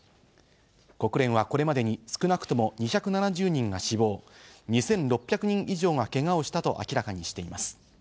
国連はこれまでに少なくとも２７０人が死亡、２６００人以上がけがをしたと明らかにしています。